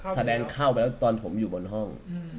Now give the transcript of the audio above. แสดงเข้าไปแล้วตอนผมอยู่บนห้อง